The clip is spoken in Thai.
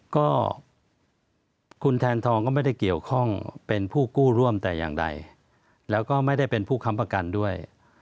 ก็คุณแทนทองก็ไม่ได้เกี่ยวข้องเป็นผู้กู้ร่วมแต่อย่างใดแล้วก็ไม่ได้เป็นผู้ค้ำประกันด้วย